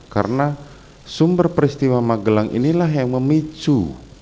karena sumber peristiwa magelang inilah yang memicu